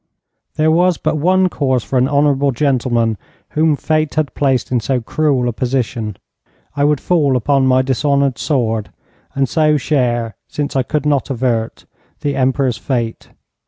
There was but one course for an honourable gentleman whom Fate had placed in so cruel a position. I would fall upon my dishonoured sword, and so share, since I could not avert, the Emperor's fate.